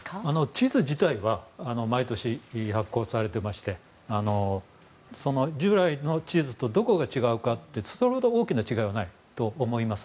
地図自体は毎年、発行されていまして従来の地図とどこが違うかってそれほど大きな違いはないと思います。